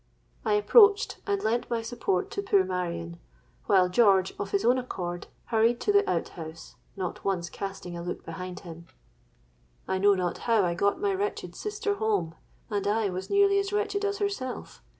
'—I approached, and lent my support to poor Marion, while George, of his own accord, hurried to the out house, not once casting a look behind him. "I know not how I got my wretched sister home;—and I was nearly as wretched as herself.